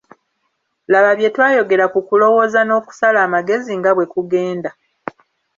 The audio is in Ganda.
Laba bye twayogera ku kulowooza n'okusala amagezi nga bwe kugenda.